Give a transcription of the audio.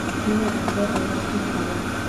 مینه د خدای او رسول ښه ده